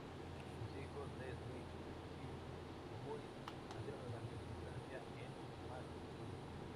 Sus hijos Leslie, Cecil y Guy nacieron durante su estancia en McGill.